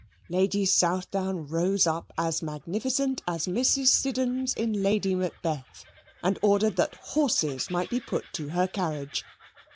Lady Southdown rose up as magnificent as Mrs. Siddons in Lady Macbeth and ordered that horses might be put to her carriage.